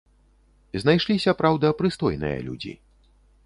Знайшліся, праўда, прыстойныя людзі.